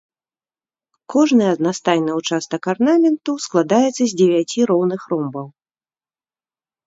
Кожны аднастайны ўчастак арнаменту складаецца з дзевяці роўных ромбаў.